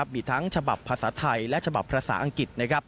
มีทั้งฉบับภาษาไทยและฉบับภาษาอังกฤษ